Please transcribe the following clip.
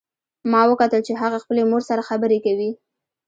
ما وکتل چې هغه خپلې مور سره خبرې کوي